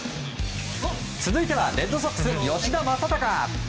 続いてはレッドソックスの吉田正尚。